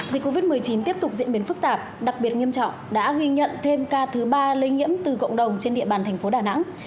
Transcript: dịch covid một mươi chín tiếp tục diễn biến phức tạp đặc biệt nghiêm trọng đã ghi nhận thêm ca thứ ba lây nhiễm từ cộng đồng trên địa bàn thành phố đà nẵng